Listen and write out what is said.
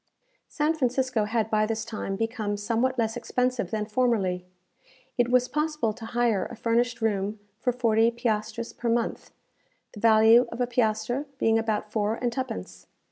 San Francisco had by this time become somewhat less expensive than formerly. It was possible to hire a furnished room for forty piastres per month, the value of a piastre being about four and twopence.